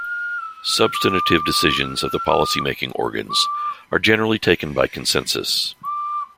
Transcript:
Substantive decisions of the policy-making organs are generally taken by consensus.